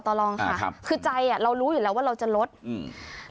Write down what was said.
ต่อรองค่ะครับคือใจอ่ะเรารู้อยู่แล้วว่าเราจะลดอืม